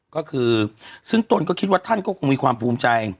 ก็คือซึ่งตนก็คิดว่าท่านก็คงมีความภูมิใจ